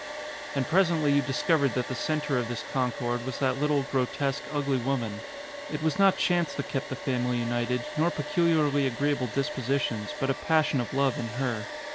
And presently you discovered that the centre of this concord was that little, grotesque, ugly wo man ; it was not chance that kept the family united, nor peculiarly agreeable dispositions, but a pas sion of love in her.